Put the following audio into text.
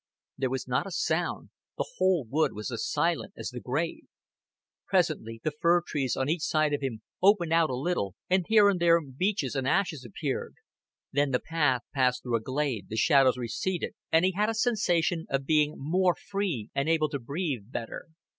There was not a sound; the whole wood was as silent as the grave. Presently the fir trees on each side of him opened out a little, and here and there beeches and ashes appeared; then the path passed through a glade, the shadows receded, and he had a sensation of being more free and able to breathe better.